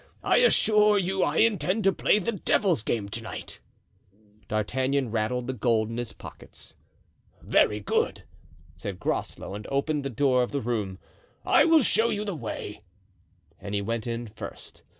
I assure you I intend to play the devil's game to night." D'Artagnan rattled the gold in his pockets. "Very good," said Groslow, and opened the door of the room. "I will show you the way," and he went in first.